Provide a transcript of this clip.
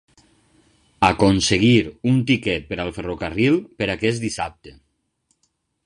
Aconseguir un tiquet per al ferrocarril per aquest dissabte.